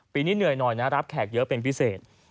นี้เหนื่อยหน่อยนะรับแขกเยอะเป็นพิเศษ